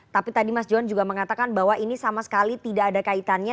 tapi tadi mas johan juga mengatakan bahwa ini sama sekali tidak ada kaitannya